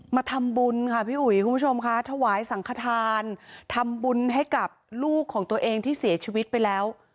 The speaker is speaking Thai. มาทำบุญค่ะพี่อุ๋ยคุณผู้ชมค่ะถวายสังขทานทำบุญให้กับลูกของตัวเองที่เสียชีวิตไปแล้ว